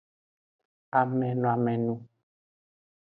Amenoamengu.